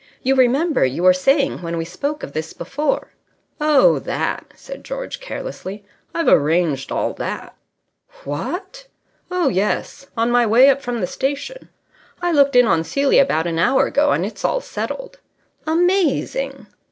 You remember you were saying when we spoke of this before " "Oh, that!" said George, carelessly. "I've arranged all that." "What!" "Oh, yes. On my way up from the station. I looked in on Celia about an hour ago, and it's all settled." "Amazing!"